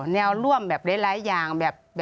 แนวร่วมแบบหลายอย่างแบบ